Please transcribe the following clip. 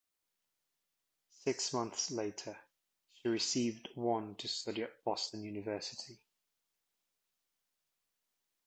Six months later she received one to study at Boston University.